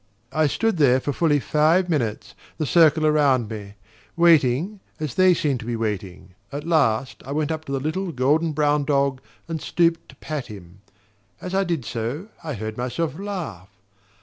I stood there for fully five minutes, the circle about me waiting, as they seemed to be waiting. At last I went up to the little golden brown dog and stooped to pat him. As I did so, I heard myself laugh.